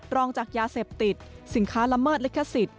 รองจากยาเสพติดสินค้าละเมิดลิขสิทธิ